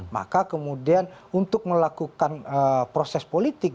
maka kemudian untuk melakukan proses politik